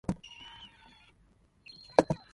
Its name is derived from the Latin for Clyde, Clutha.